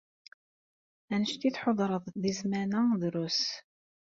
Anect i tḥudreḍ deg zzman-a, drus.